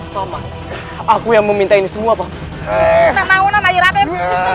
paman aku yang meminta ini semua paman